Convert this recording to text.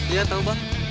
iya tau bang